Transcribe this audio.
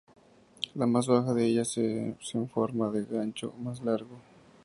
La más baja de ellas es en forma de gancho más largo.